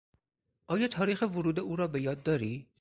آیا تاریخ ورود او را به یاد داری؟